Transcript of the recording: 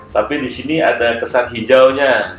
tapi di sini ada kesan hijaunya